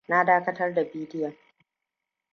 Na dakatar da bidiyon.